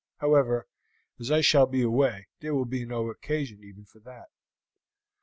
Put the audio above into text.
However, as I shall be away there will be no occasion even for that.